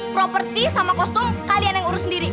properti sama kostum kalian yang urus sendiri